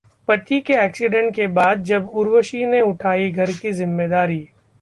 पति के एक्सीडेंट के बाद जब उर्वशी ने उठाई घर की जिम्मेदारी